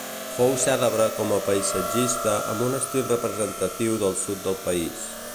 Fou cèlebre com a paisatgista amb un estil representatiu del sud del país.